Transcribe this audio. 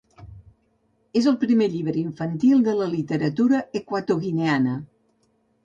És el primer llibre infantil de la literatura equatoguineana.